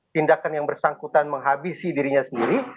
tindakan yang bersangkutan menghabisi dirinya sendiri